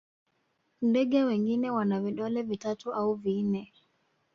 ndege wengine wana vidole vitatu au vinne